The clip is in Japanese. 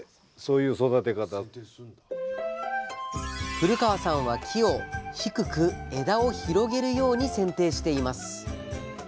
古川さんは木を低く枝を広げるように剪定しています。